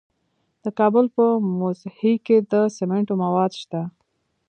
د کابل په موسهي کې د سمنټو مواد شته.